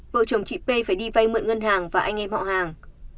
vợ chồng chị p phải đi vay mượn ngân hàng và anh em họ hàng